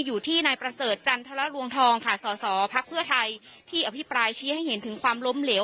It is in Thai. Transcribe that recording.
อยู่ที่นายประเสริฐจันทรลวงทองค่ะสอสอพักเพื่อไทยที่อภิปรายชี้ให้เห็นถึงความล้มเหลว